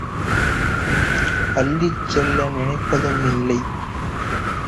அள்ளிச் செல்ல நினைப்பதும் இல்லை.